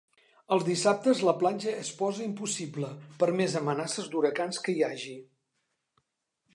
Els dissabtes la platja es posa impossible, per més amenaces d'huracans que hi hagi.